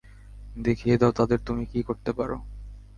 দেখিয়ে দাও তাদের, তুমি কী করতে পারো।